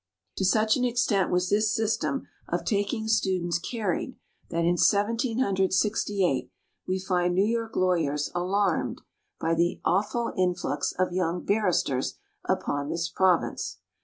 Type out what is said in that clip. To such an extent was this system of taking students carried that, in Seventeen Hundred Sixty eight, we find New York lawyers alarmed "by the awful influx of young Barristers upon this Province."